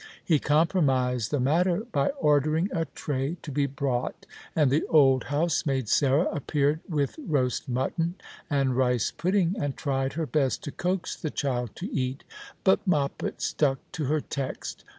He compromised the matter by ordering a tray to be brought, and the old housemaid Sarah appeared \\ ith roast mutton and rice pudding, and tried her best to coax the child to eat ; but 3Ioppet stuck to her text.